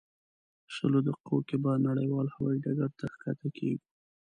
شلو دقیقو کې به نړیوال هوایي ډګر ته ښکته کېږو.